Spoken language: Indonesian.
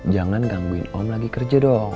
jangan gangguin om lagi kerja dong